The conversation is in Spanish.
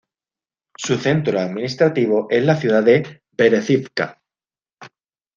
Su centro administrativo es la ciudad de Berezivka.